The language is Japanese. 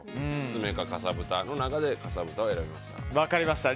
爪かかさぶたの中でかさぶたを選びました。